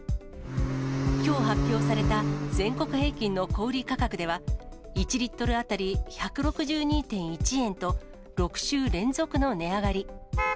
きょう発表された全国平均の小売り価格では、１リットル当たり１６２．１円と、６週連続の値上がり。